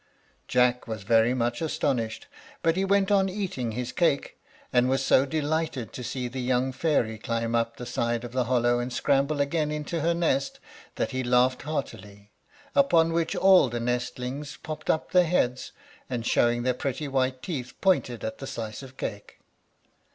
Jack was very much astonished, but he went on eating his cake, and was so delighted to see the young fairy climb up the side of the hollow and scramble again into her nest, that he laughed heartily; upon which all the nestlings popped up their heads, and, showing their pretty white teeth, pointed at the slice of cake.